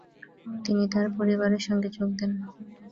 তিনি তার পরিবারের সঙ্গে যোগ দেন।